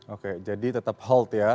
oke jadi tetap hold ya